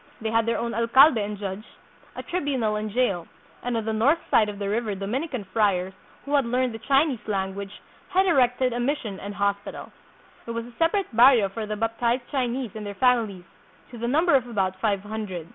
They had their own alcalde and judge, a tribunal and jail ; and on the north side of the river Dominican friars, who had learned the Chinese lan guage, had erected a mission and hospital. There was a separate barrio for the baptized Chinese and their families, to the number of about five hundred.